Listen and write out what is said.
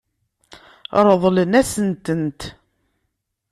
Ṛeḍlen-asent-tent.